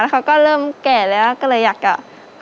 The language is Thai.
เขาก็เริ่มแก่แล้วก็เลยอยากจะ